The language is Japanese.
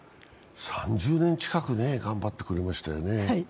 ３０年近く頑張ってくれましたよね。